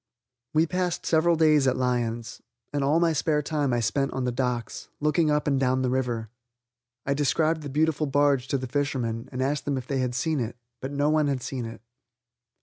We passed several days at Lyons, and all my spare time I spent on the docks, looking up and down the river. I described the beautiful barge to the fishermen and asked them if they had seen it, but no one had seen it.